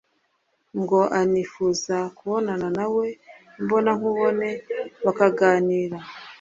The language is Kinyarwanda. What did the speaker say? ngo anifuza kubonana na we imbonankubone bakaganira